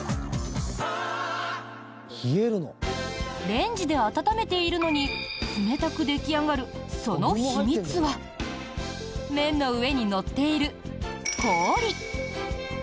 レンジで温めているのに冷たく出来上がる、その秘密は麺の上に乗っている、氷。